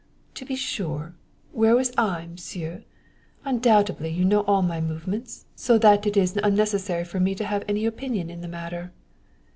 "To be sure! Where was I, Monsieur? Undoubtedly you know all my movements, so that it is unnecessary for me to have any opinions in the matter."